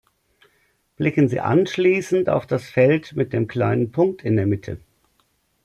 Blicken Sie anschließend auf das Feld mit dem kleinen Punkt in der Mitte.